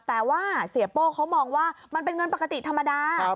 แต่ว่าเสียโป้เขามองว่ามันเป็นเงินปกติธรรมดา